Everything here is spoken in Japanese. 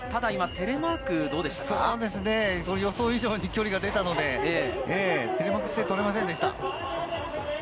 予想以上に距離が出たので、テレマーク姿勢、取れませんでした。